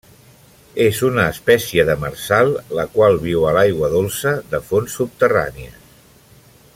És una espècie demersal, la qual viu a l'aigua dolça de fonts subterrànies.